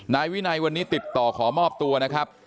นายวินัยวันนี้ติดต่อขอมอบตัวนะครับ